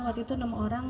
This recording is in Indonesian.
waktu itu enam orang